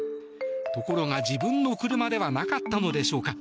ところが、自分の車ではなかったのでしょうか